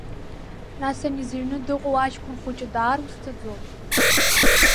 Нас ани зыҩны дыҟоу аҷкәын хәыҷы даар узцаӡом.